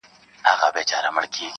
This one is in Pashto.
ګلکده وجود دي تاته مبارک وي,